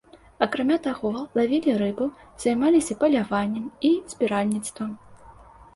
Акрамя таго, лавілі рыбу, займаліся паляваннем і збіральніцтвам.